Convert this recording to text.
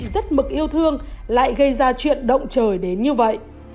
rất mực yêu thương lại gây ra chuyện động trời đến như vậy